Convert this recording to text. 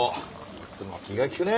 いつも気が利くね。